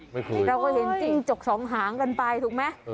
ไม่ค่อยเราก็เห็นจะกจกสองหางกันไปถูกไหม